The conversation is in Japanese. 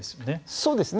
そうですね。